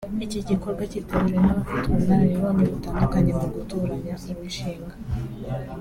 Igi gikorwa kitabiriwe n’abafite ubunararibonye butandukanye mu gutoranya imishinga